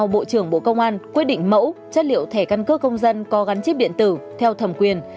bộ trưởng bộ công an quyết định mẫu chất liệu thẻ căn cước công dân có gắn chip điện tử theo thẩm quyền